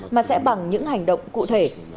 mà sẽ bằng những hành động cụ thể